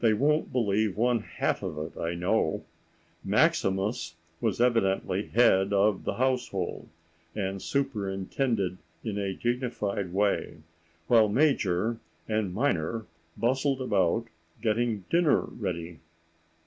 "They won't believe one half of it, I know." Maximus was evidently head of the household, and superintended in a dignified way, while Major and Minor bustled about getting dinner ready.